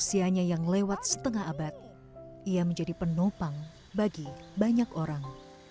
usianya yang lewat setengah abad ia menjadi penopang bagi banyak orang